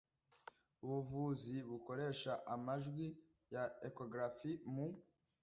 Ubuvuzi bukoresha amajwi ya ekogarafi mu